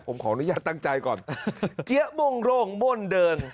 ผมขออนุญาตตั้งใจก่อนเจี๊ยะม่วงโร่งม่วนเดิน